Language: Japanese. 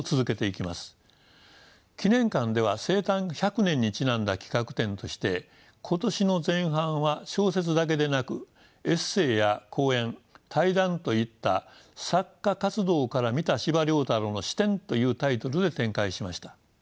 記念館では生誕１００年にちなんだ企画展として今年の前半は小説だけでなくエッセーや講演対談といった作家活動から見た「司馬太郎の視点」というタイトルで展開しました。